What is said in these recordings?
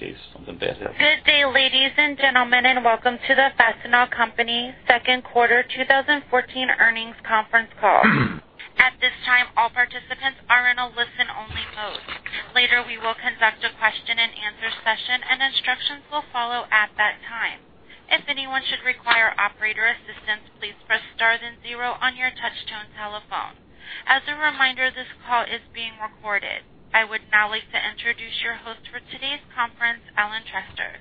In case something bad happens. Good day, ladies and gentlemen. Welcome to the Fastenal Company Second Quarter 2014 Earnings Conference Call. At this time, all participants are in a listen-only mode. Later, we will conduct a question and answer session. Instructions will follow at that time. If anyone should require operator assistance, please press star then zero on your touch-tone telephone. As a reminder, this call is being recorded. I would now like to introduce your host for today's conference, Ellen Trester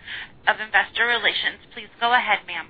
of Investor Relations. Please go ahead, ma'am.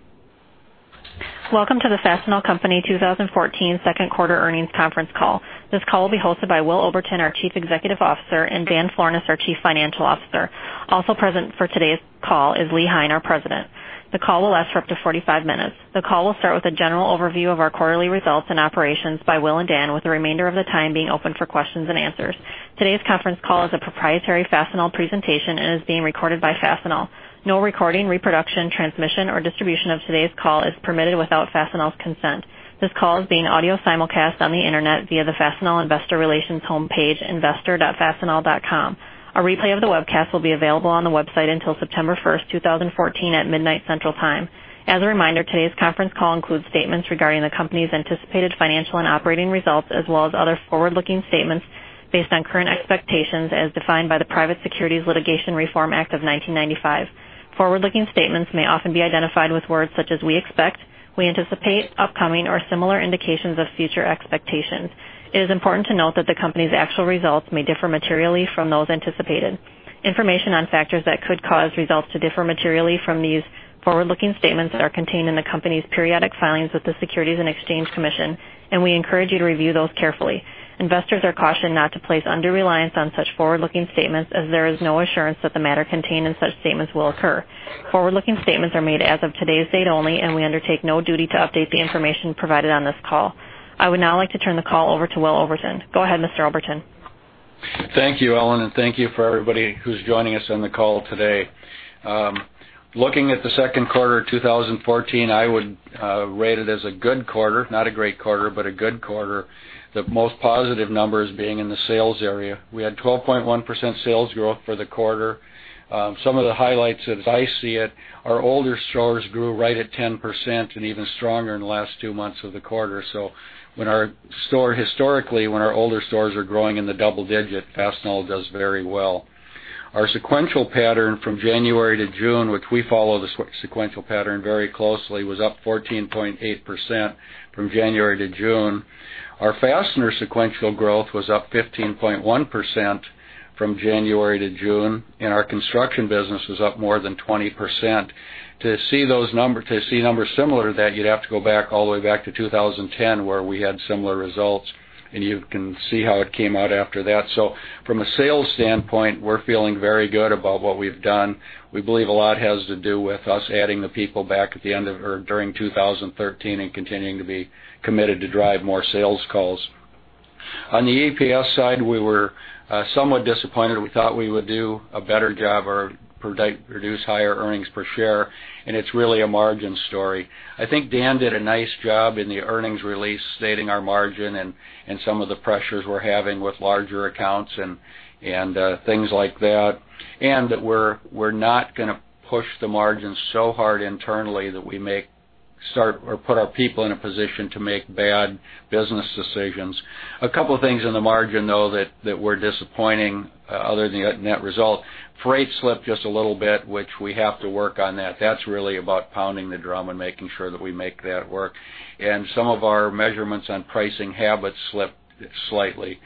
Welcome to the Fastenal Company 2014 second quarter earnings conference call. This call will be hosted by Will Oberton, our Chief Executive Officer, and Dan Florness, our Chief Financial Officer. Also present for today's call is Lee Hein, our president. The call will last for up to 45 minutes. The call will start with a general overview of our quarterly results and operations by Will and Dan, with the remainder of the time being open for questions and answers. Today's conference call is a proprietary Fastenal presentation and is being recorded by Fastenal. No recording, reproduction, transmission, or distribution of today's call is permitted without Fastenal's consent. This call is being audio simulcast on the Internet via the Fastenal Investor Relations homepage, investor.fastenal.com. A replay of the webcast will be available on the website until September 1st, 2014, at midnight Central Time. As a reminder, today's conference call includes statements regarding the company's anticipated financial and operating results, as well as other forward-looking statements based on current expectations as defined by the Private Securities Litigation Reform Act of 1995. Forward-looking statements may often be identified with words such as "we expect," "we anticipate," "upcoming," or similar indications of future expectations. It is important to note that the company's actual results may differ materially from those anticipated. Information on factors that could cause results to differ materially from these forward-looking statements are contained in the company's periodic filings with the Securities and Exchange Commission. We encourage you to review those carefully. Investors are cautioned not to place undue reliance on such forward-looking statements as there is no assurance that the matter contained in such statements will occur. Forward-looking statements are made as of today's date only, and we undertake no duty to update the information provided on this call. I would now like to turn the call over to Will Oberton. Go ahead, Mr. Oberton. Thank you, Ellen, and thank you for everybody who's joining us on the call today. Looking at the second quarter 2014, I would rate it as a good quarter. Not a great quarter, but a good quarter. The most positive numbers being in the sales area. We had 12.1% sales growth for the quarter. Some of the highlights as I see it, our older stores grew right at 10% and even stronger in the last two months of the quarter. Historically, when our older stores are growing in the double digits, Fastenal does very well. Our sequential pattern from January to June, which we follow the sequential pattern very closely, was up 14.8% from January to June. Our fastener sequential growth was up 15.1% from January to June, and our construction business was up more than 20%. To see numbers similar to that, you'd have to go back all the way back to 2010, where we had similar results, and you can see how it came out after that. From a sales standpoint, we're feeling very good about what we've done. We believe a lot has to do with us adding the people back during 2013 and continuing to be committed to drive more sales calls. On the EPS side, we were somewhat disappointed. We thought we would do a better job or produce higher earnings per share, and it's really a margin story. I think Dan did a nice job in the earnings release, stating our margin and some of the pressures we're having with larger accounts and things like that. That we're not going to push the margins so hard internally that we put our people in a position to make bad business decisions. A couple of things in the margin, though, that were disappointing other than the net result. Freight slipped just a little bit, which we have to work on that. That's really about pounding the drum and making sure that we make that work. Some of our measurements on pricing habits slipped slightly.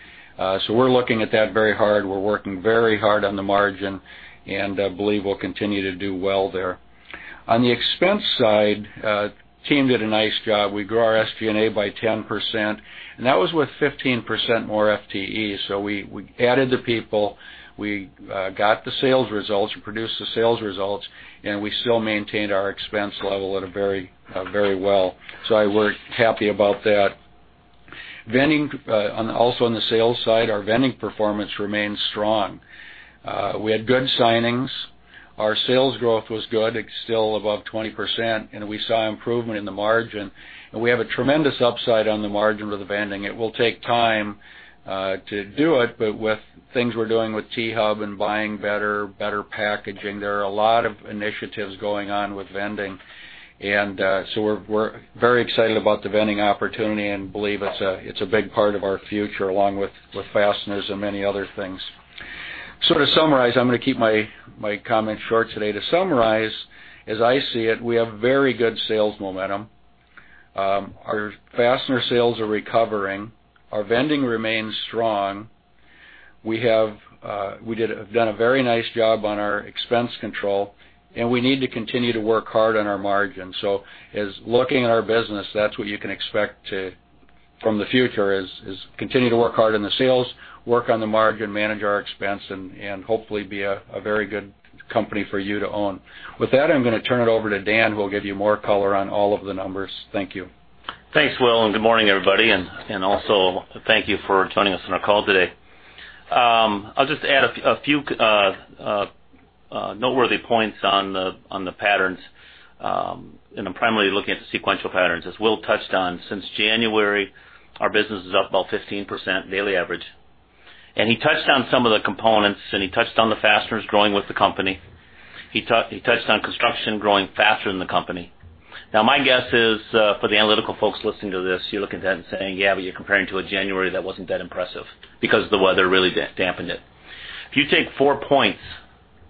We're looking at that very hard. We're working very hard on the margin, and I believe we'll continue to do well there. On the expense side, the team did a nice job. We grew our SG&A by 10%, and that was with 15% more FTEs. We added the people, we got the sales results, we produced the sales results, and we still maintained our expense level at a very well. I was happy about that. Also on the sales side, our vending performance remains strong. We had good signings. Our sales growth was good. It is still above 20%, and we saw improvement in the margin. We have a tremendous upside on the margin with the vending. It will take time to do it, but with things we are doing with T-HUB and buying better packaging, there are a lot of initiatives going on with vending. We are very excited about the vending opportunity and believe it is a big part of our future, along with fasteners and many other things. To summarize, I am going to keep my comments short today. To summarize, as I see it, we have very good sales momentum. Our fastener sales are recovering. Our vending remains strong. We have done a very nice job on our expense control, and we need to continue to work hard on our margins. As looking at our business, that is what you can expect from the future, is continue to work hard on the sales, work on the margin, manage our expense, and hopefully be a very good company for you to own. With that, I am going to turn it over to Dan, who will give you more color on all of the numbers. Thank you. Thanks, Will, good morning, everybody, and also thank you for joining us on our call today. I will just add a few noteworthy points on the patterns. I am primarily looking at the sequential patterns. As Will touched on, since January, our business is up about 15% daily average. He touched on some of the components, he touched on the fasteners growing with the company. He touched on construction growing faster than the company. My guess is, for the analytical folks listening to this, you are looking at that and saying, "Yeah, but you are comparing to a January that was not that impressive because the weather really dampened it." If you take four points,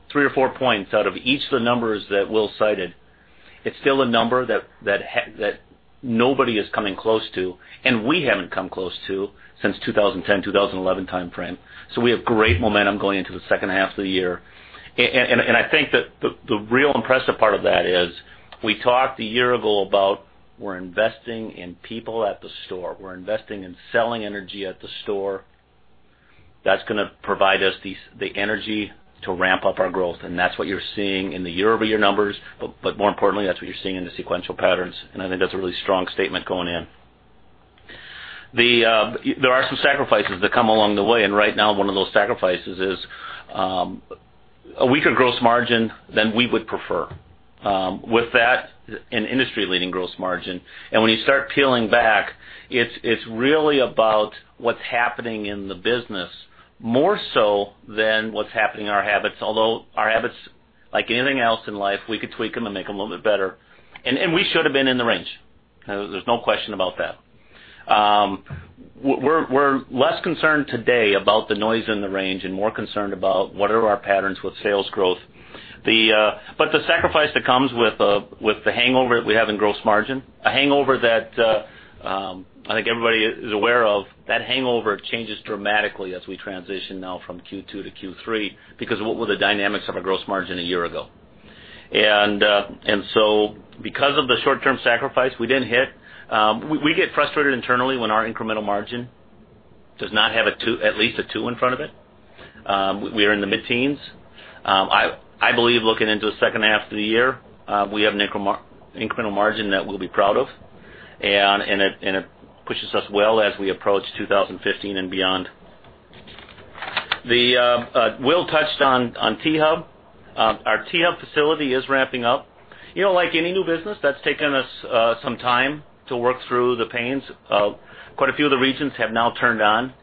three or four points out of each of the numbers that Will cited, it is still a number that nobody is coming close to, and we have not come close to since 2010, 2011 timeframe. We have great momentum going into the second half of the year. I think that the real impressive part of that is we talked a year ago about we are investing in people at the store. We are investing in selling energy at the store. That is going to provide us the energy to ramp up our growth. That is what you are seeing in the year-over-year numbers. More importantly, that is what you are seeing in the sequential patterns. I think that is a really strong statement going in. There are some sacrifices that come along the way, and right now, one of those sacrifices is a weaker gross margin than we would prefer. With that, an industry-leading gross margin. When you start peeling back, it is really about what is happening in the business more so than what is happening in our habits. Although our habits, like anything else in life, we could tweak them and make them a little bit better. We should have been in the range. There's no question about that. We're less concerned today about the noise in the range and more concerned about what are our patterns with sales growth. The sacrifice that comes with the hangover that we have in gross margin, a hangover that I think everybody is aware of, that hangover changes dramatically as we transition now from Q2 to Q3 because of what were the dynamics of our gross margin a year ago. Because of the short-term sacrifice we didn't hit, we get frustrated internally when our incremental margin does not have at least a 2 in front of it. We are in the mid-teens. I believe looking into the second half of the year, we have an incremental margin that we'll be proud of, and it pushes us well as we approach 2015 and beyond. Will touched on T-HUB. Our T-HUB facility is ramping up. Like any new business, that's taken us some time to work through the pains of quite a few of the regions have now turned on.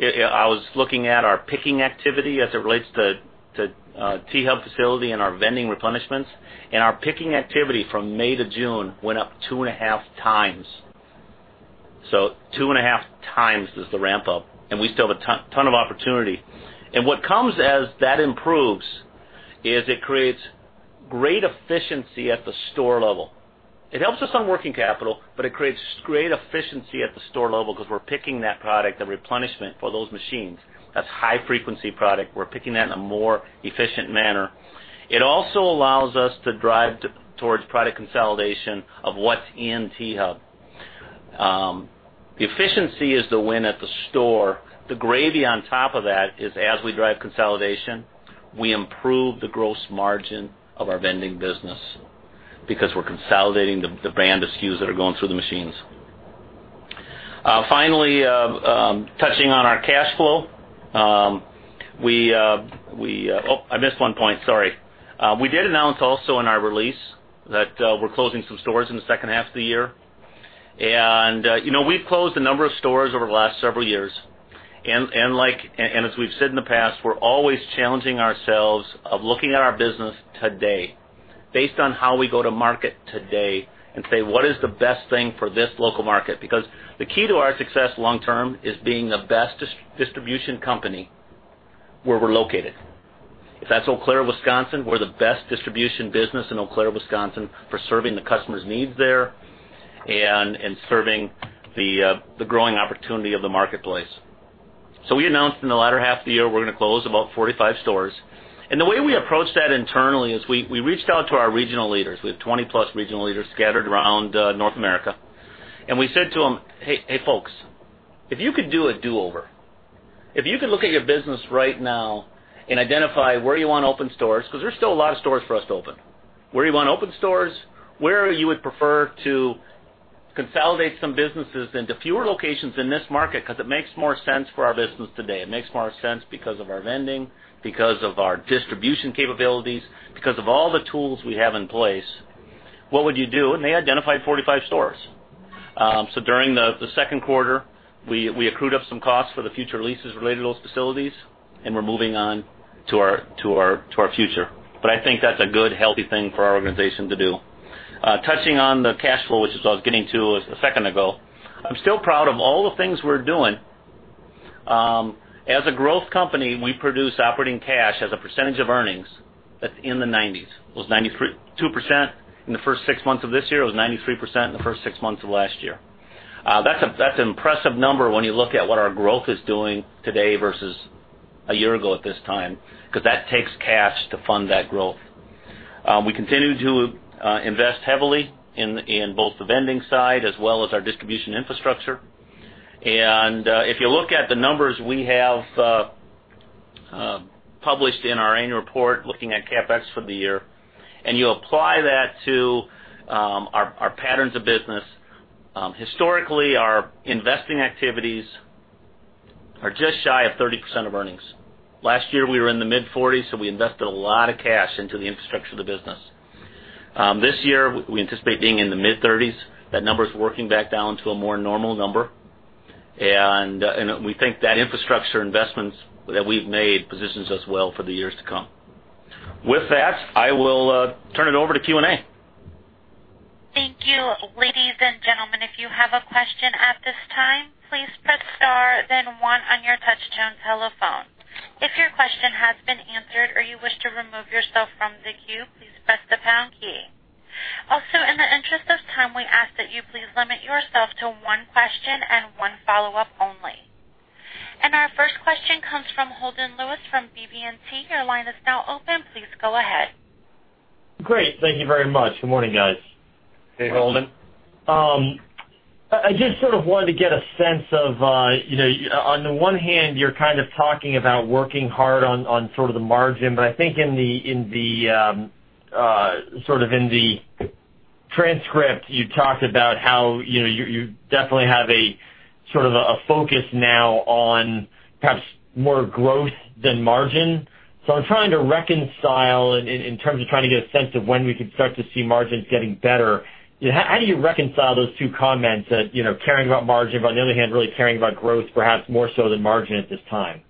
I was looking at our picking activity as it relates to T-HUB facility and our vending replenishments. Our picking activity from May to June went up 2 and a half times. 2 and a half times is the ramp-up, and we still have a ton of opportunity. What comes as that improves is it creates great efficiency at the store level. It helps us on working capital, it creates great efficiency at the store level because we're picking that product, the replenishment for those machines. That's high-frequency product. We're picking that in a more efficient manner. It also allows us to drive towards product consolidation of what's in T-HUB. The efficiency is the win at the store. The gravy on top of that is as we drive consolidation, we improve the gross margin of our vending business because we're consolidating the band of SKUs that are going through the machines. Finally, touching on our cash flow. Oh, I missed one point, sorry. We did announce also in our release that we're closing some stores in the second half of the year. We've closed a number of stores over the last several years. As we've said in the past, we're always challenging ourselves of looking at our business today based on how we go to market today and say, what is the best thing for this local market? Because the key to our success long term is being the best distribution company where we're located. If that's Eau Claire, Wisconsin, we're the best distribution business in Eau Claire, Wisconsin, for serving the customer's needs there and serving the growing opportunity of the marketplace. We announced in the latter half of the year, we're going to close about 45 stores. The way we approached that internally is we reached out to our regional leaders. We have 20-plus regional leaders scattered around North America. We said to them, "Hey, folks, if you could do a do-over, if you could look at your business right now and identify where you want to open stores," because there's still a lot of stores for us to open. Where you want to open stores, where you would prefer to consolidate some businesses into fewer locations in this market because it makes more sense for our business today. It makes more sense because of our vending, because of our distribution capabilities, because of all the tools we have in place. What would you do? They identified 45 stores. During the second quarter, we accrued up some costs for the future leases related to those facilities, and we're moving on to our future. I think that's a good, healthy thing for our organization to do. Touching on the cash flow, which is what I was getting to a second ago. I'm still proud of all the things we're doing. As a growth company, we produce operating cash as a percentage of earnings that's in the 90s. It was 92% in the first six months of this year. It was 93% in the first six months of last year. That's an impressive number when you look at what our growth is doing today versus a year ago at this time, because that takes cash to fund that growth. We continue to invest heavily in both the vending side as well as our distribution infrastructure. If you look at the numbers we have published in our annual report, looking at CapEx for the year, you apply that to our patterns of business, historically, our investing activities Are just shy of 30% of earnings. Last year, we were in the mid-40s, we invested a lot of cash into the infrastructure of the business. This year, we anticipate being in the mid-30s. That number's working back down to a more normal number. We think that infrastructure investments that we've made positions us well for the years to come. With that, I will turn it over to Q&A. Thank you. Ladies and gentlemen, if you have a question at this time, please press star then one on your touchtone telephone. If your question has been answered or you wish to remove yourself from the queue, please press the pound key. Also, in the interest of time, we ask that you please limit yourself to one question and one follow-up only. Our first question comes from Holden Lewis from BB&T. Your line is now open. Please go ahead. Great. Thank you very much. Good morning, guys. Hey, Holden. I wanted to get a sense of, on the one hand, you're kind of talking about working hard on the margin, but I think in the transcript, you talked about how you definitely have a focus now on perhaps more growth than margin. I'm trying to reconcile in terms of trying to get a sense of when we can start to see margins getting better. How do you reconcile those two comments that, caring about margin, but on the other hand, really caring about growth perhaps more so than margin at this time?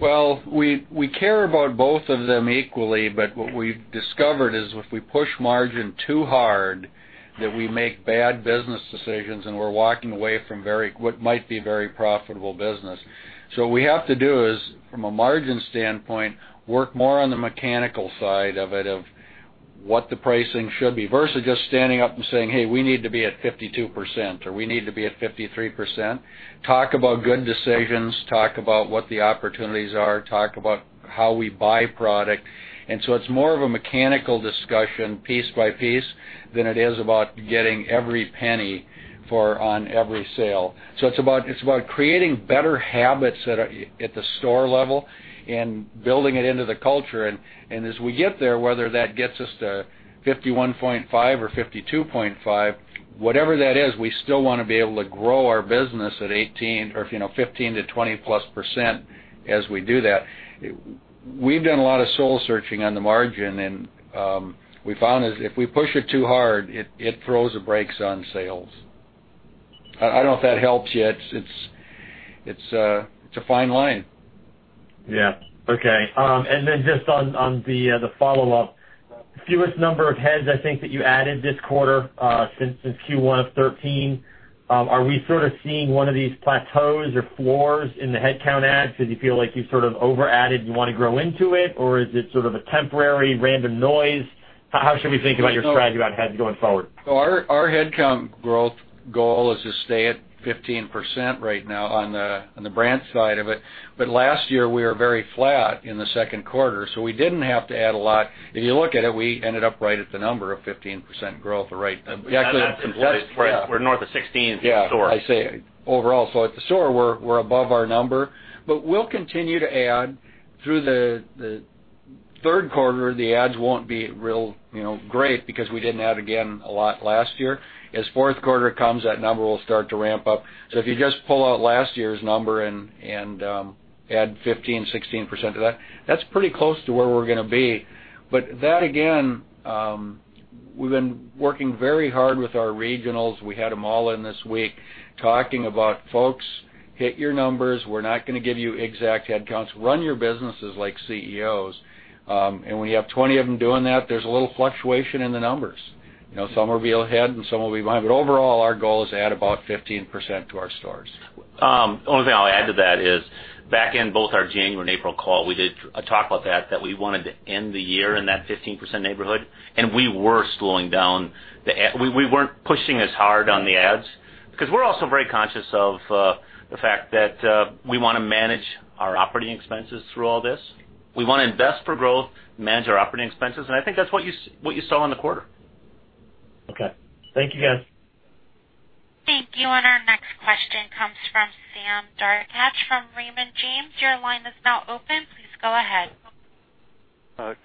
We care about both of them equally, but what we've discovered is if we push margin too hard, that we make bad business decisions, and we're walking away from what might be a very profitable business. What we have to do is, from a margin standpoint, work more on the mechanical side of it, of what the pricing should be, versus just standing up and saying, "Hey, we need to be at 52%," or, "We need to be at 53%." Talk about good decisions, talk about what the opportunities are, talk about how we buy product. It's more of a mechanical discussion piece by piece than it is about getting every penny on every sale. It's about creating better habits at the store level and building it into the culture. As we get there, whether that gets us to 51.5 or 52.5, whatever that is, we still want to be able to grow our business at 15%-20%-plus as we do that. We've done a lot of soul-searching on the margin, and we found as if we push it too hard, it throws the brakes on sales. I don't know if that helps yet. It's a fine line. Yeah. Okay. Just on the follow-up, fewest number of heads, I think, that you added this quarter since Q1 of 2013. Are we sort of seeing one of these plateaus or floors in the headcount adds? Do you feel like you've sort of over-added, you want to grow into it? Or is it sort of a temporary random noise? How should we think about your strategy about heads going forward? Our headcount growth goal is to stay at 15% right now on the brand side of it. Last year, we were very flat in the second quarter, so we didn't have to add a lot. If you look at it, we ended up right at the number of 15% growth. We're north of 16 at the store. Yeah. I say overall. At the store, we're above our number. We'll continue to add through the third quarter. The adds won't be real great because we didn't add again a lot last year. As fourth quarter comes, that number will start to ramp up. If you just pull out last year's number and add 15, 16% to that's pretty close to where we're going to be. That, again, we've been working very hard with our regionals. We had them all in this week talking about, "Folks, hit your numbers. We're not going to give you exact headcounts. Run your businesses like CEOs." And when you have 20 of them doing that, there's a little fluctuation in the numbers. Some will be ahead and some will be behind. Overall, our goal is to add about 15% to our stores. The only thing I'll add to that is back in both our January and April call, we did talk about that we wanted to end the year in that 15% neighborhood, and we were slowing down. We weren't pushing as hard on the adds because we're also very conscious of the fact that we want to manage our operating expenses through all this. We want to invest for growth, manage our operating expenses, and I think that's what you saw in the quarter. Okay. Thank you guys. Thank you. Our next question comes from Sam Darkatsh from Raymond James. Your line is now open. Please go ahead.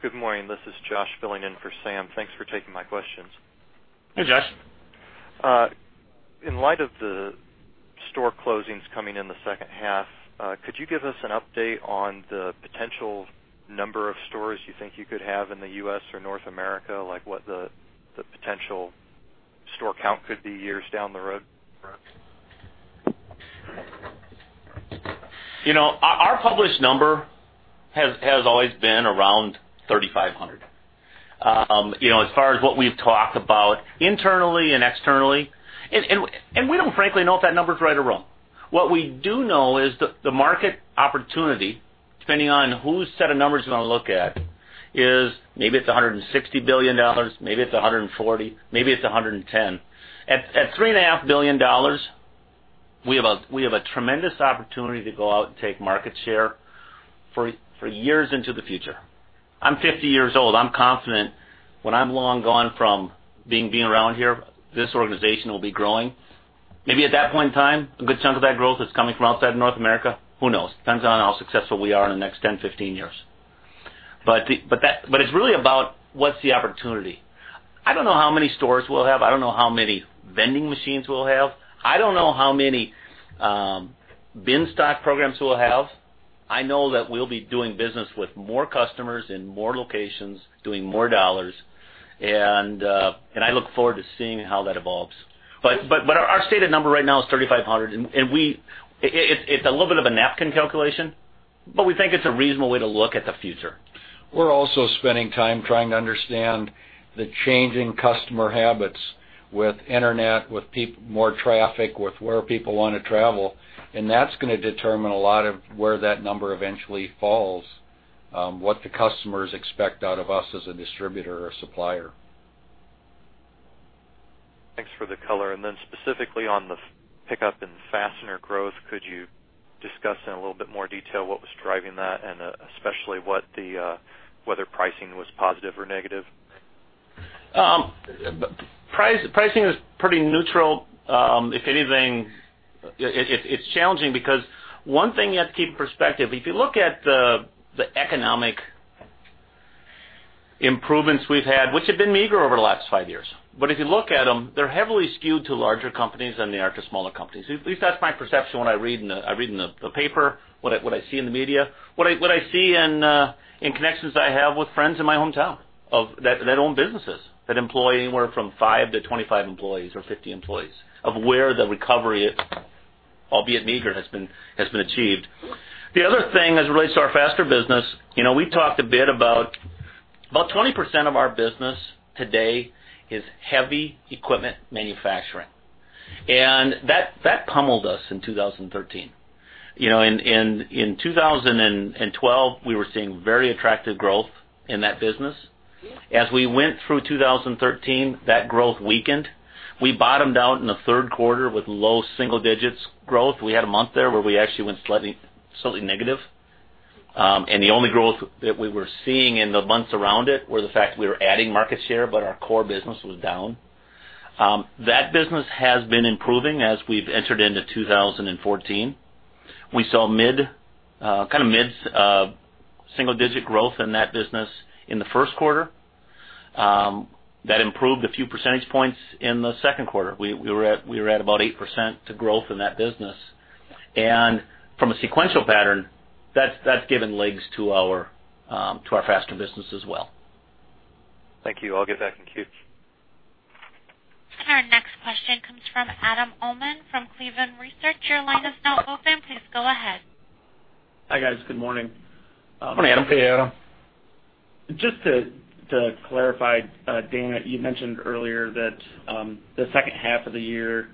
Good morning. This is Josh filling in for Sam. Thanks for taking my questions. Hey, Josh. In light of the store closings coming in the second half, could you give us an update on the potential number of stores you think you could have in the U.S. or North America, like what the potential store count could be years down the road? Our published number has always been around 3,500. As far as what we've talked about internally and externally. We don't frankly know if that number is right or wrong. What we do know is the market opportunity, depending on whose set of numbers you want to look at, is maybe it's $160 billion, maybe it's $140 billion, maybe it's $110 billion. At $3.5 billion, we have a tremendous opportunity to go out and take market share for years into the future. I'm 50 years old. I'm confident when I'm long gone from being around here, this organization will be growing. Maybe at that point in time, a good chunk of that growth is coming from outside of North America. Who knows? Depends on how successful we are in the next 10, 15 years. It's really about what's the opportunity. I don't know how many stores we'll have. I don't know how many vending machines we'll have. I don't know how many bin stock programs we'll have. I know that we'll be doing business with more customers in more locations, doing more dollars, and I look forward to seeing how that evolves. Our stated number right now is 3,500, and it's a little bit of a napkin calculation, but we think it's a reasonable way to look at the future. We're also spending time trying to understand the changing customer habits with internet, with more traffic, with where people want to travel, and that's going to determine a lot of where that number eventually falls. This is what the customers expect out of us as a distributor or supplier. Thanks for the color. Then specifically on the pickup in fastener growth, could you discuss in a little bit more detail what was driving that, and especially whether pricing was positive or negative? Pricing is pretty neutral. If anything, it's challenging because one thing you have to keep in perspective, if you look at the economic improvements we've had, which have been meager over the last five years, but if you look at them, they're heavily skewed to larger companies than they are to smaller companies. At least that's my perception when I read in the paper, what I see in the media, what I see in connections that I have with friends in my hometown that own businesses, that employ anywhere from five to 25 employees or 50 employees, of where the recovery, albeit meager, has been achieved. The other thing, as it relates to our fastener business, we talked a bit about 20% of our business today is heavy equipment manufacturing, and that pummeled us in 2013. In 2012, we were seeing very attractive growth in that business. As we went through 2013, that growth weakened. We bottomed out in the third quarter with low single digits growth. We had a month there where we actually went slightly negative. The only growth that we were seeing in the months around it were the fact that we were adding market share, but our core business was down. That business has been improving as we've entered into 2014. We saw mid-single-digit growth in that business in the first quarter. That improved a few percentage points in the second quarter. We were at about 8% growth in that business. From a sequential pattern, that's given legs to our fastener business as well. Thank you. I'll get back in queue. Our next question comes from Adam Uhlman from Cleveland Research. Your line is now open. Please go ahead. Hi, guys. Good morning. Morning, Adam. Hey, Adam. Just to clarify, Dan, you mentioned earlier that the second half of the year,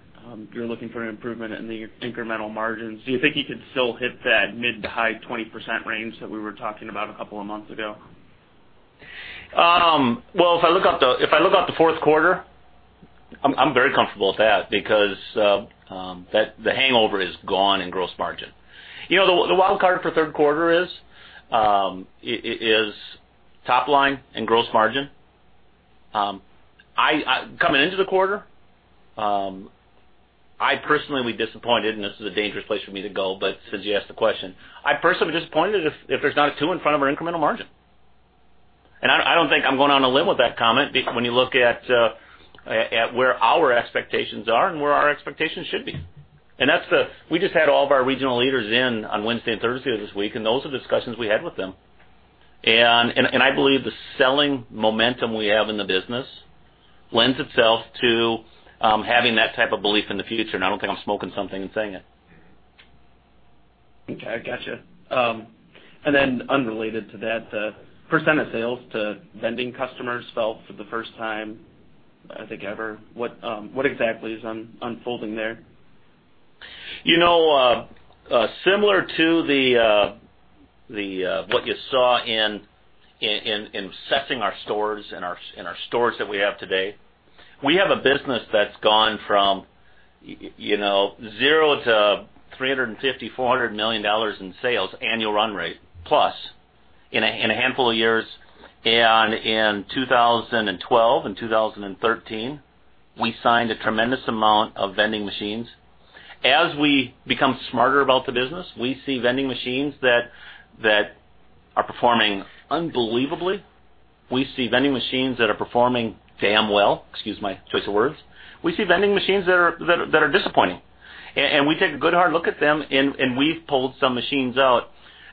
you're looking for an improvement in the incremental margins. Do you think you could still hit that mid to high 20% range that we were talking about a couple of months ago? Well, if I look out the fourth quarter, I'm very comfortable with that because the hangover is gone in gross margin. The wild card for third quarter is top line and gross margin. Coming into the quarter, I personally would be disappointed, and this is a dangerous place for me to go, but since you asked the question, I'd personally be disappointed if there's not a two in front of our incremental margin. I don't think I'm going out on a limb with that comment when you look at where our expectations are and where our expectations should be. We just had all of our regional leaders in on Wednesday and Thursday of this week, and those are discussions we had with them. I believe the selling momentum we have in the business lends itself to having that type of belief in the future, and I don't think I'm smoking something and saying it. Okay, got you. Unrelated to that, % of sales to vending customers fell for the first time, I think ever. What exactly is unfolding there? Similar to what you saw in assessing our stores and our stores that we have today, we have a business that's gone from zero to $350 million, $400 million in sales annual run rate plus in a handful of years. In 2012 and 2013, we signed a tremendous amount of vending machines. As we become smarter about the business, we see vending machines that are performing unbelievably. We see vending machines that are performing damn well. Excuse my choice of words. We see vending machines that are disappointing. We take a good hard look at them, and we've pulled some machines out.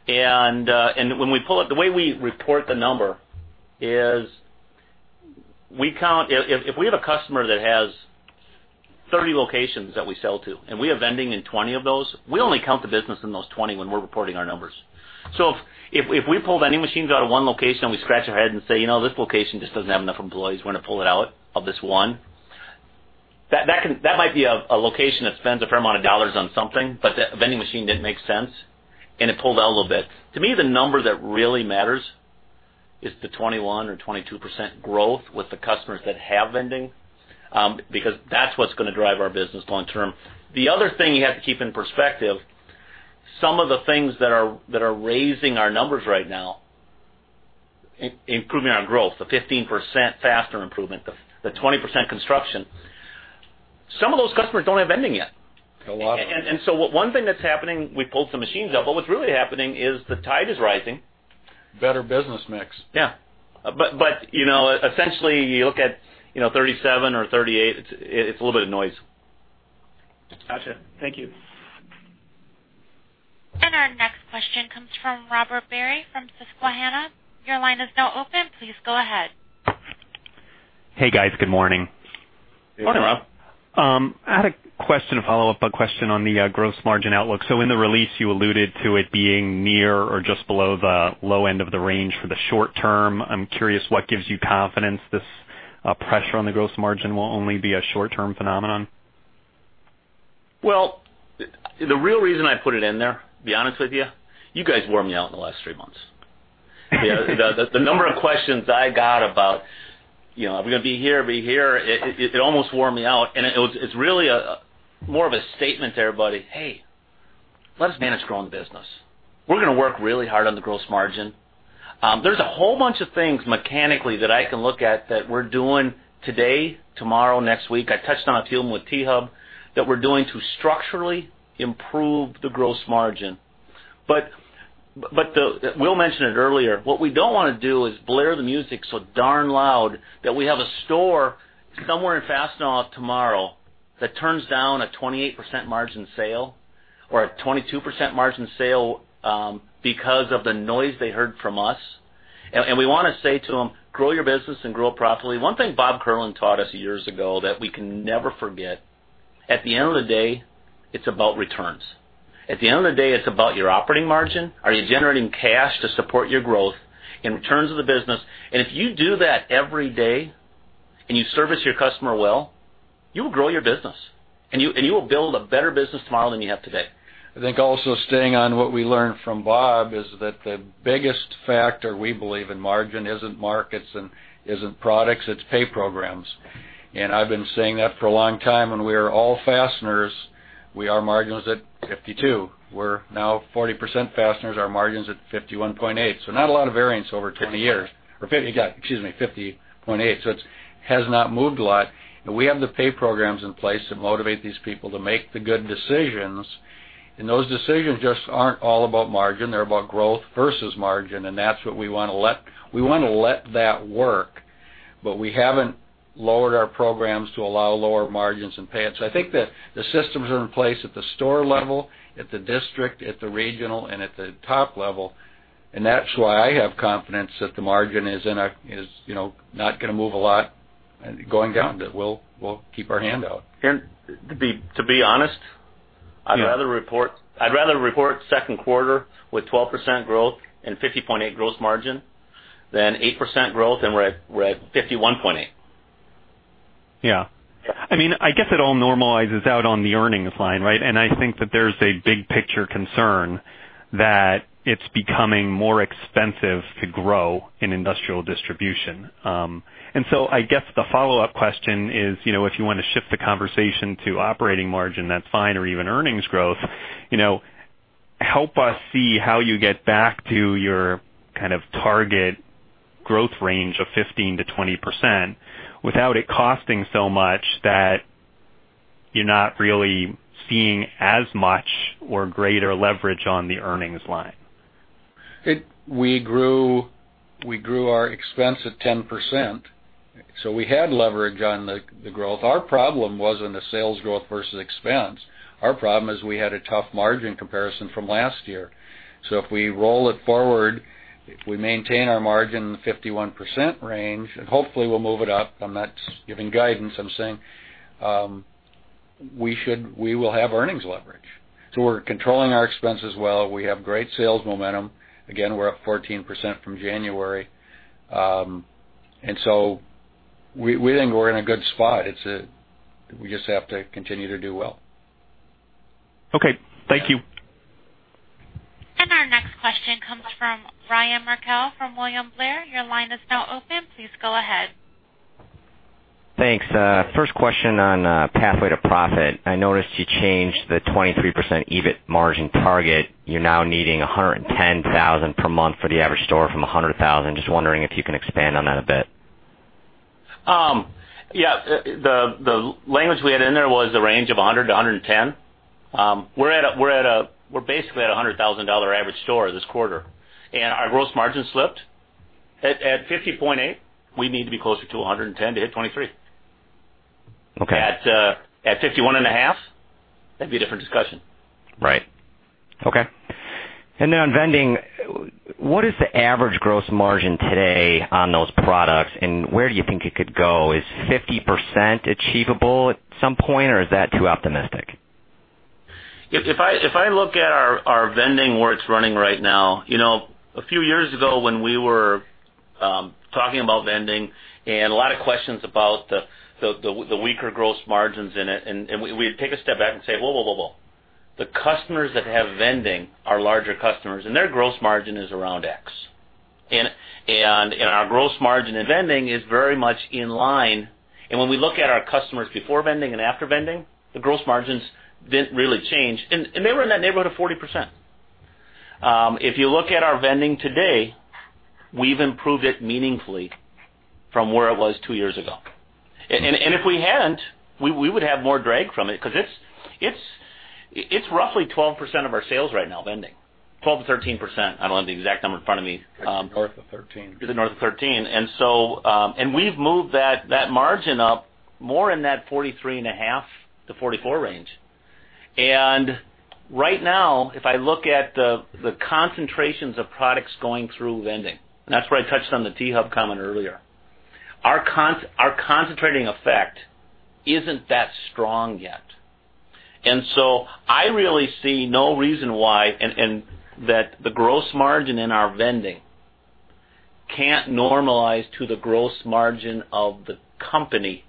When we pull it, the way we report the number is, if we have a customer that has 30 locations that we sell to, and we have vending in 20 of those, we only count the business in those 20 when we're reporting our numbers. If we pulled vending machines out of one location and we scratch our head and say, "This location just doesn't have enough employees. We're going to pull it out of this one." That might be a location that spends a fair amount of dollars on something, but the vending machine didn't make sense, and it pulled out a little bit. To me, the number that really matters is the 21% or 22% growth with the customers that have vending, because that's what's going to drive our business long term. The other thing you have to keep in perspective, some of the things that are raising our numbers right now, improving our growth, the 15% fastener improvement, the 20% construction. Some of those customers don't have vending yet. A lot of them. One thing that's happening, we pulled some machines up, what's really happening is the tide is rising. Better business mix. Yeah. Essentially, you look at 37 or 38, it's a little bit of noise. Got you. Thank you. Our next question comes from Robert Berry from Susquehanna. Your line is now open. Please go ahead. Hey, guys. Good morning. Morning, Rob. I had a follow-up question on the gross margin outlook. In the release, you alluded to it being near or just below the low end of the range for the short term. I'm curious what gives you confidence this pressure on the gross margin will only be a short-term phenomenon? The real reason I put it in there, to be honest with you guys wore me out in the last 3 months. The number of questions I got about, are we going to be here? It almost wore me out, and it's really more of a statement to everybody, "Hey, let us manage growing business." We're going to work really hard on the gross margin. There's a whole bunch of things mechanically that I can look at that we're doing today, tomorrow, next week. I touched on a few of them with T-HUB that we're doing to structurally improve the gross margin. Will mentioned it earlier, what we don't want to do is blare the music so darn loud that we have a store somewhere in Fastenal tomorrow that turns down a 28% margin sale or a 22% margin sale because of the noise they heard from us. We want to say to them, "Grow your business and grow it profitably." One thing Bob Kierlin taught us years ago that we can never forget, at the end of the day, it's about returns. At the end of the day, it's about your operating margin. Are you generating cash to support your growth and returns of the business? If you do that every day, and you service your customer well, you'll grow your business, and you will build a better business tomorrow than you have today. I think also staying on what we learned from Bob is that the biggest factor we believe in margin isn't markets and isn't products, it's pay programs. I've been saying that for a long time, when we were all fasteners, we had margins at 52%. We're now 40% fasteners, our margin's at 51.8%. Not a lot of variance over 20 years. Or 50.8%. It has not moved a lot. We have the pay programs in place that motivate these people to make the good decisions, and those decisions just aren't all about margin, they're about growth versus margin, and that's what we want to let that work. We haven't lowered our programs to allow lower margins and pay outs. I think that the systems are in place at the store level, at the district, at the regional, and at the top level. That's why I have confidence that the margin is not going to move a lot going down, that we'll keep our hand out. To be honest. Yeah I'd rather report Q2 with 12% growth and 50.8% gross margin than 8% growth and we're at 51.8%. Yeah. I guess it all normalizes out on the earnings line, right? I think that there's a big picture concern that it's becoming more expensive to grow in industrial distribution. I guess the follow-up question is, if you want to shift the conversation to operating margin, that's fine, or even earnings growth. Help us see how you get back to your kind of target growth range of 15%-20% without it costing so much that you're not really seeing as much or greater leverage on the earnings line. We grew our expense at 10%, we had leverage on the growth. Our problem wasn't the sales growth versus expense. Our problem is we had a tough margin comparison from last year. If we roll it forward, if we maintain our margin in the 51% range, and hopefully we'll move it up. I'm not giving guidance, I'm saying we will have earnings leverage. We're controlling our expenses well. We have great sales momentum. Again, we're up 14% from January. We think we're in a good spot, we just have to continue to do well. Okay. Thank you. Our next question comes from Ryan Merkel from William Blair. Your line is now open. Please go ahead. Thanks. First question on Pathway to Profit. I noticed you changed the 23% EBIT margin target. You're now needing $110,000 per month for the average store from $100,000. Just wondering if you can expand on that a bit. Yeah. The language we had in there was the range of $100,000-$110,000. We're basically at $100,000 average store this quarter, and our gross margin slipped. At 50.8%, we need to be closer to $110,000 to hit 23. Okay. At 51.5%, that'd be a different discussion. Right. Okay. Then on vending, what is the average gross margin today on those products, and where do you think it could go? Is 50% achievable at some point, or is that too optimistic? If I look at our vending, where it's running right now, a few years ago when we were talking about vending and a lot of questions about the weaker gross margins in it, and we'd take a step back and say, "Whoa, the customers that have vending are larger customers, and their gross margin is around X." Our gross margin in vending is very much in line. When we look at our customers before vending and after vending, the gross margins didn't really change. They were in that neighborhood of 40%. If you look at our vending today, we've improved it meaningfully from where it was two years ago. If we hadn't, we would have more drag from it because it's roughly 12% of our sales right now, vending. 12%-13%. I don't have the exact number in front of me. It's north of 13. It's north of 13. We've moved that margin up more in that 43.5%-44% range. Right now, if I look at the concentrations of products going through vending, that's where I touched on the T-HUB comment earlier, our concentrating effect isn't that strong yet. I really see no reason why that the gross margin in our vending can't normalize to the gross margin of the company,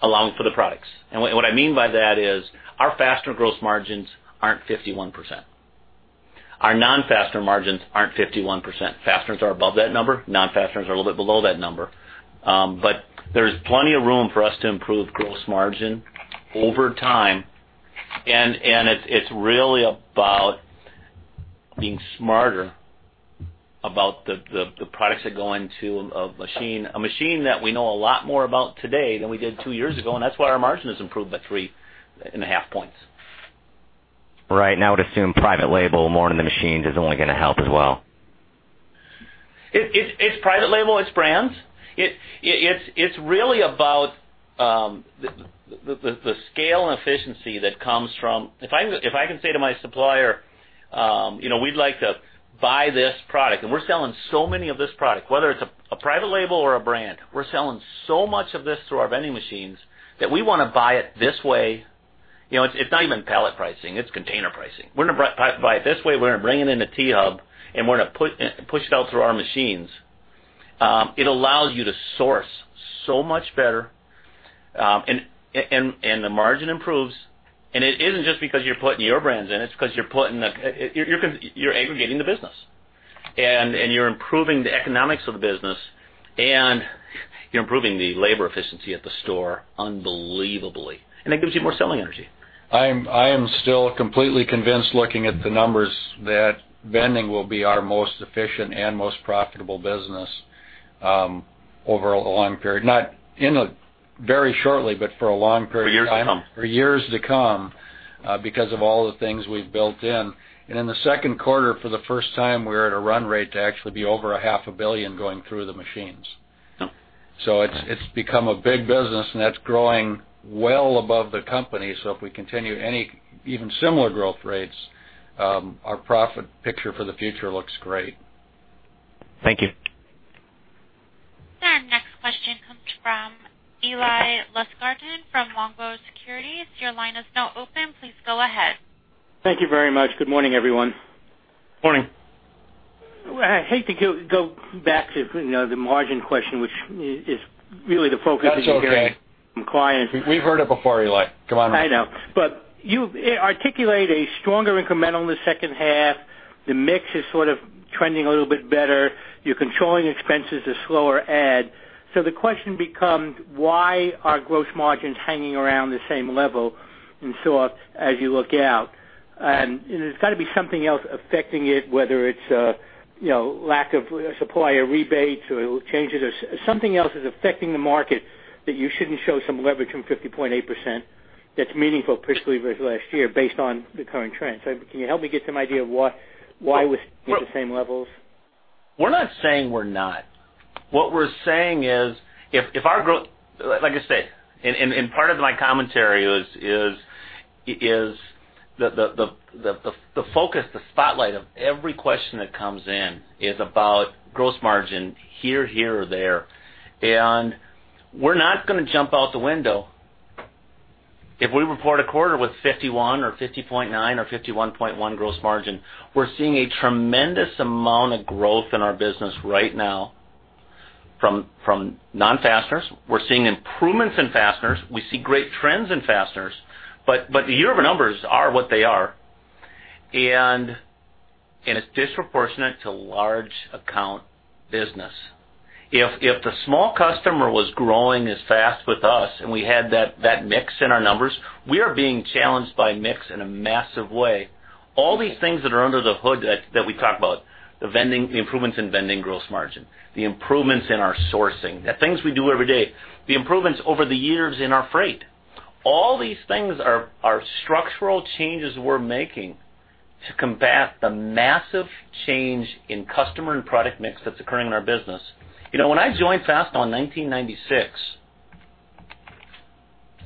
allowing for the products. What I mean by that is our fastener gross margins aren't 51%. Our non-fastener margins aren't 51%. Fasteners are above that number. Non-fasteners are a little bit below that number. There's plenty of room for us to improve gross margin over time. It's really about being smarter about the products that go into a machine. A machine that we know a lot more about today than we did two years ago, and that's why our margin has improved by 3.5 points. Right. I would assume private label more into the machines is only going to help as well. It's private label, it's brands. It's really about the scale and efficiency that comes from If I can say to my supplier, "We'd like to buy this product," and we're selling so many of this product, whether it's a private label or a brand, we're selling so much of this through our vending machines that we want to buy it this way. It's not even pallet pricing, it's container pricing. We're going to buy it this way, we're going to bring it into T-HUB, and we're going to push it out through our machines. It allows you to source so much better, and the margin improves. It isn't just because you're putting your brands in, it's because you're aggregating the business, and you're improving the economics of the business, and you're improving the labor efficiency at the store unbelievably. It gives you more selling energy. I am still completely convinced, looking at the numbers, that vending will be our most efficient and most profitable business over a long period. Not in a very shortly, but for a long period of time. For years to come. For years to come because of all the things we've built in. In the second quarter, for the first time, we were at a run rate to actually be over $ half a billion going through the machines. Yeah. It's become a big business, and that's growing well above the company. If we continue even similar growth rates, our profit picture for the future looks great. Thank you. Our next question comes from Eli Lustgarten from Longbow Securities. Your line is now open. Please go ahead. Thank you very much. Good morning, everyone. Morning. I hate to go back to the margin question, which is really the focus of. That's okay. some clients. We've heard it before, Eli. Come on. I know. You articulate a stronger incremental in the second half. The mix is sort of trending a little bit better. You're controlling expenses at a slower add. The question becomes, why are gross margins hanging around the same level and so off as you look out? It's got to be something else affecting it, whether it's lack of supplier rebates or changes. Something else is affecting the market that you shouldn't show some leverage from 50.8% that's meaningful particularly versus last year based on the current trend. Can you help me get some idea of why we're at the same levels? We're not saying we're not. What we're saying is, like I said, part of my commentary is the focus, the spotlight of every question that comes in is about gross margin here or there. We're not going to jump out the window if we report a quarter with 51 or 50.9 or 51.1 gross margin. We're seeing a tremendous amount of growth in our business right now from non-fasteners. We're seeing improvements in fasteners. We see great trends in fasteners. The year-over-year numbers are what they are, and it's disproportionate to large account business. If the small customer was growing as fast with us and we had that mix in our numbers, we are being challenged by mix in a massive way. All these things that are under the hood that we talk about, the improvements in FAST Solutions gross margin, the improvements in our sourcing, the things we do every day, the improvements over the years in our freight. All these things are structural changes we're making to combat the massive change in customer and product mix that's occurring in our business. When I joined Fastenal in 1996,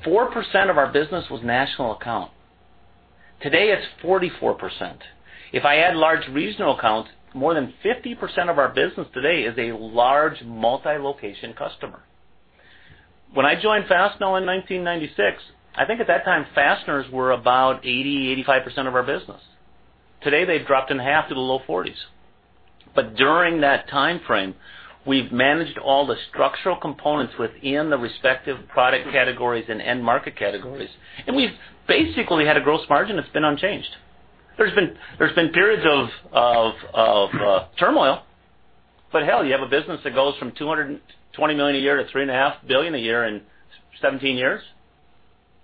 4% of our business was national account. Today, it's 44%. If I add large regional accounts, more than 50% of our business today is a large multi-location customer. When I joined Fastenal in 1996, I think at that time, fasteners were about 80%, 85% of our business. Today, they've dropped in half to the low 40s. During that time frame, we've managed all the structural components within the respective product categories and end market categories. We've basically had a gross margin that's been unchanged. There's been periods of turmoil. Hell, you have a business that goes from $220 million a year to $3.5 billion a year in 17 years,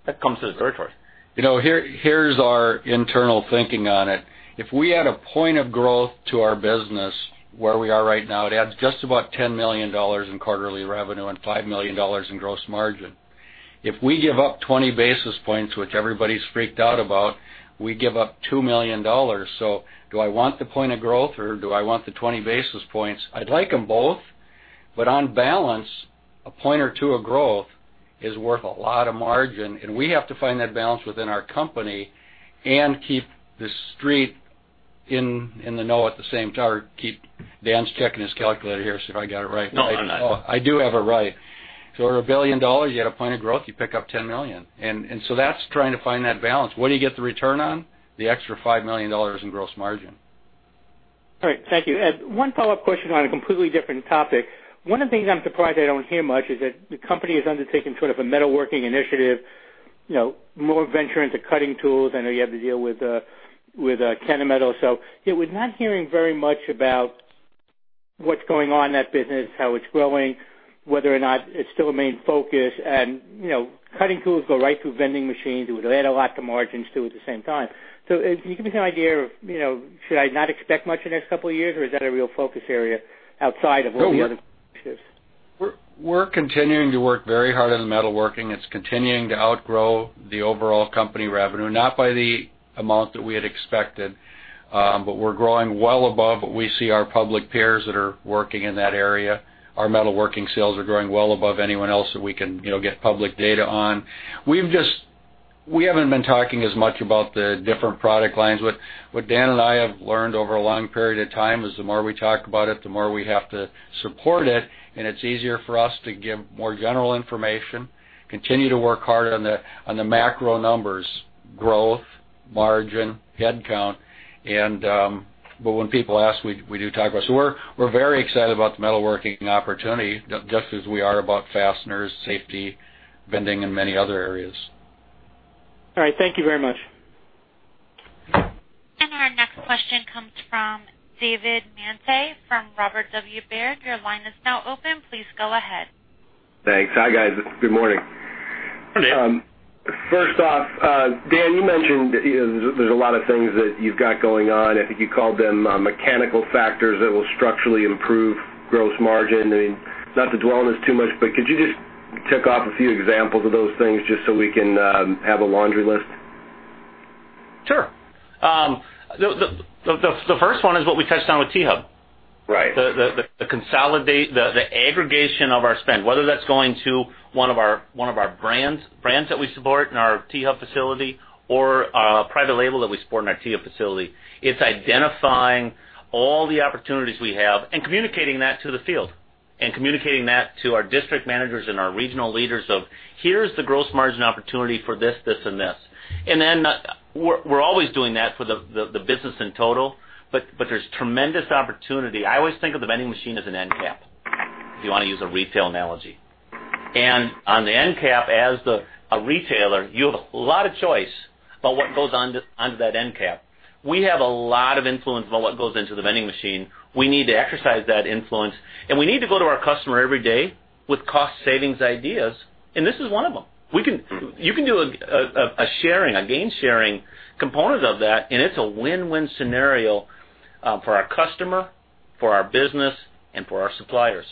that comes to the territory. Here is our internal thinking on it. If we add a point of growth to our business where we are right now, it adds just about $10 million in quarterly revenue and $5 million in gross margin. If we give up 20 basis points, which everybody's freaked out about, we give up $2 million. Do I want the point of growth or do I want the 20 basis points? I'd like them both, but on balance, a point or two of growth is worth a lot of margin, and we have to find that balance within our company and keep the Street in the know at the same time. Dan Florness' checking his calculator here, see if I got it right. No, I'm not. Oh, I do have it right. At $1 billion, you add a point of growth, you pick up $10 million. That's trying to find that balance. What do you get the return on? The extra $5 million in gross margin. All right. Thank you. Eli, one follow-up question on a completely different topic. One of the things I'm surprised I don't hear much is that the company has undertaken sort of a metalworking initiative, more venture into cutting tools. I know you have the deal with Kennametal. Yeah, we're not hearing very much about what's going on in that business, how it's growing, whether or not it's still a main focus. Cutting tools go right through vending machines. It would add a lot to margins, too, at the same time. Can you give me an idea of, should I not expect much in the next couple of years, or is that a real focus area outside of all the other initiatives? We're continuing to work very hard on the metalworking. It's continuing to outgrow the overall company revenue, not by the amount that we had expected, but we're growing well above what we see our public peers that are working in that area. Our metalworking sales are growing well above anyone else that we can get public data on. We haven't been talking as much about the different product lines. What Dan and I have learned over a long period of time is the more we talk about it, the more we have to support it. It's easier for us to give more general information, continue to work hard on the macro numbers: growth, margin, headcount. When people ask, we do talk about it. We're very excited about the metalworking opportunity, just as we are about fasteners, safety, vending, and many other areas. All right. Thank you very much. Our next question comes from David Manthey from Robert W. Baird. Your line is now open. Please go ahead. Thanks. Hi, guys. Good morning. Hi, Dave. First off, Dan, you mentioned there's a lot of things that you've got going on. I think you called them mechanical factors that will structurally improve gross margin. Not to dwell on this too much, but could you just tick off a few examples of those things just so we can have a laundry list? Sure. The first one is what we touched on with T-HUB. Right. The aggregation of our spend, whether that's going to one of our brands that we support in our T-HUB facility or a private label that we support in our T-HUB facility. It's identifying all the opportunities we have and communicating that to the field, and communicating that to our district managers and our regional leaders of, here's the gross margin opportunity for this, and this. We're always doing that for the business in total, but there's tremendous opportunity. I always think of the vending machine as an end cap, if you want to use a retail analogy. On the end cap as a retailer, you have a lot of choice about what goes onto that end cap. We have a lot of influence about what goes into the vending machine. We need to exercise that influence, we need to go to our customer every day with cost savings ideas, and this is one of them. You can do a gain-sharing component of that, it's a win-win scenario for our customer, for our business, and for our suppliers,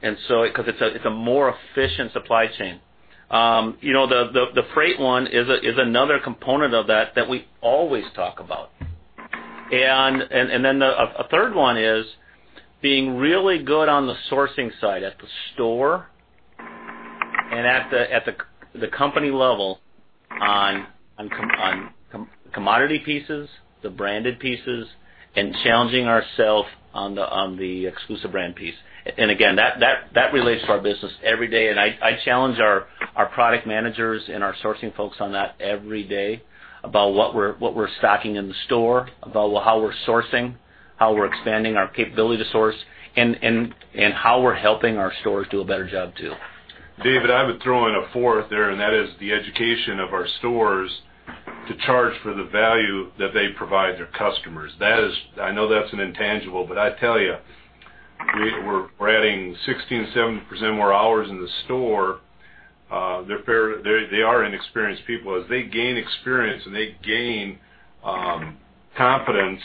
because it's a more efficient supply chain. The freight one is another component of that that we always talk about. A third one is being really good on the sourcing side at the store and at the company level on commodity pieces, the branded pieces, and challenging ourself on the exclusive brand piece. Again, that relates to our business every day, I challenge our product managers and our sourcing folks on that every day about what we're stocking in the store, about how we're sourcing, how we're expanding our capability to source, how we're helping our stores do a better job, too. David, I would throw in a fourth there, that is the education of our stores to charge for the value that they provide their customers. I know that's an intangible, I tell you, we're adding 16%, 17% more hours in the store. They are inexperienced people. As they gain experience and they gain confidence,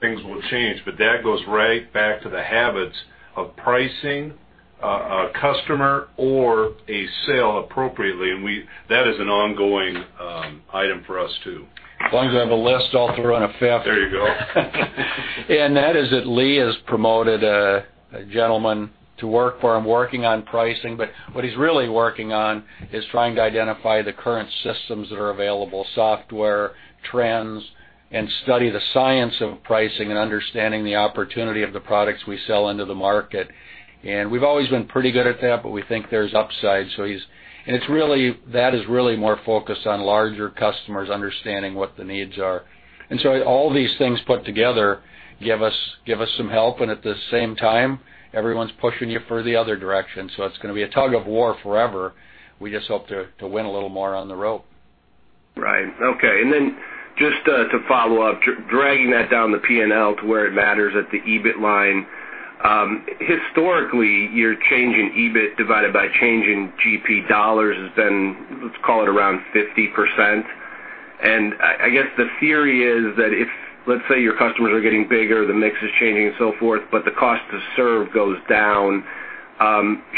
things will change. That goes right back to the habits of pricing a customer or a sale appropriately, that is an ongoing item for us, too. As long as you have a list, I'll throw on a fifth. There you go. That is that Lee has promoted a gentleman to work for him, working on pricing. What he's really working on is trying to identify the current systems that are available, software, trends, and study the science of pricing and understanding the opportunity of the products we sell into the market. We've always been pretty good at that, but we think there's upside. That is really more focused on larger customers understanding what the needs are. All these things put together give us some help, and at the same time, everyone's pushing you for the other direction. It's going to be a tug of war forever. We just hope to win a little more on the rope. Right. Okay. Then just to follow up, dragging that down the P&L to where it matters at the EBIT line. Historically, your change in EBIT divided by change in GP $ has been, let's call it around 50%. I guess the theory is that if, let's say, your customers are getting bigger, the mix is changing and so forth, the cost to serve goes down,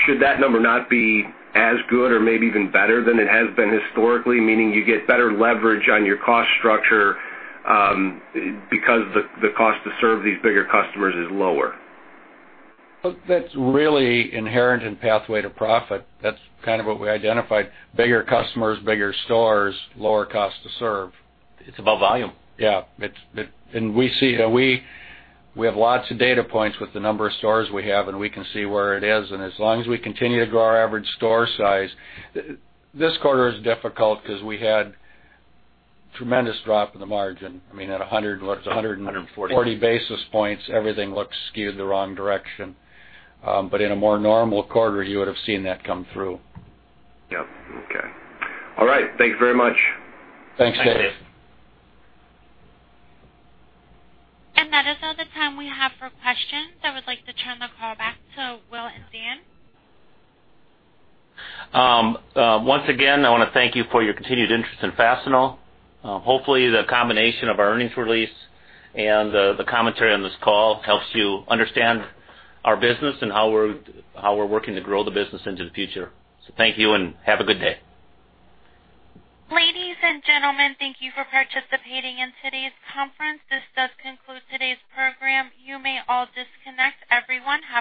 should that number not be as good or maybe even better than it has been historically? Meaning you get better leverage on your cost structure because the cost to serve these bigger customers is lower. That's really inherent in Pathway to Profit. That's kind of what we identified. Bigger customers, bigger stores, lower cost to serve. It's about volume. Yeah. We have lots of data points with the number of stores we have, and we can see where it is, and as long as we continue to grow our average store size. This quarter is difficult because we had tremendous drop in the margin. I mean, at 100, what, 140 basis points, everything looks skewed the wrong direction. In a more normal quarter, you would've seen that come through. Yep. Okay. All right. Thank you very much. Thanks, Dave. Thanks, Dave. That is all the time we have for questions. I would like to turn the call back to Will and Dan. Once again, I want to thank you for your continued interest in Fastenal. Hopefully, the combination of our earnings release and the commentary on this call helps you understand our business and how we're working to grow the business into the future. Thank you, and have a good day. Ladies and gentlemen, thank you for participating in today's conference. This does conclude today's program. You may all disconnect. Everyone, have a.